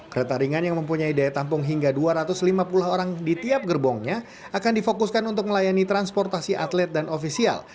kereta ringan yang mempunyai daya tampung hingga dua ratus lima puluh orang di tiap gerbongnya akan difokuskan untuk melayani transportasi atlet dan ofisial